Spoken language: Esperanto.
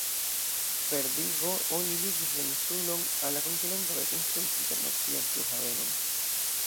Per digo oni ligis la insulon al la kontinento kaj konstruis internacian flughavenon.